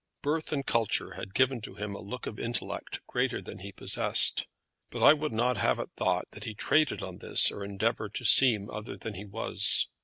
Birth and culture had given to him a look of intellect greater than he possessed; but I would not have it thought that he traded on this or endeavoured to seem other than he was.